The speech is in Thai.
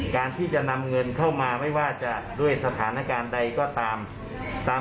การที่จะนำเงินเข้ามาไม่ว่าจะด้วยสถานการณ์ใดก็ตามตาม